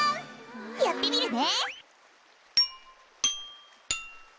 やってみるね！